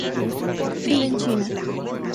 Vive en China.